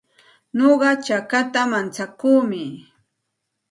Nuqa chakata mantsakuumi.